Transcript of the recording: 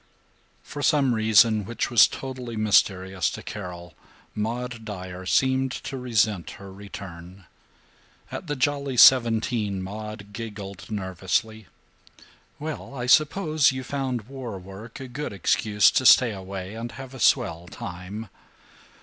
IV For some reason which was totally mysterious to Carol, Maud Dyer seemed to resent her return. At the Jolly Seventeen Maud giggled nervously, "Well, I suppose you found war work a good excuse to stay away and have a swell time.